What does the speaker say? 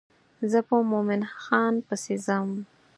زه په مومن خان پسې ځم.